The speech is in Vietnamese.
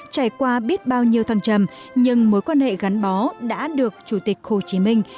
trải qua biết bao nhiêu thăng trầm nhưng mối quan hệ gắn bó đã được chủ tịch hồ chí minh